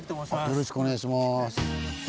よろしくお願いします。